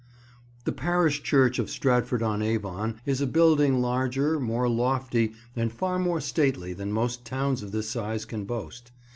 THE parish church of Stratford on Avon is a building larger, more lofty, and far more stately than most towns of this size can boast.